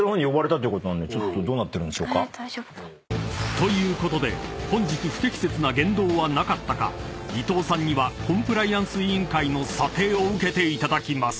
［ということで本日不適切な言動はなかったか伊藤さんにはコンプライアンス委員会の査定を受けていただきます］